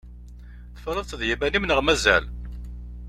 Tefriḍ-tt d yiman-im neɣ mazal?